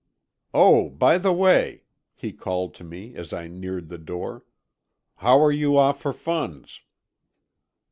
"Oh, by the way," he called to me as I neared the door. "How are you off for funds?"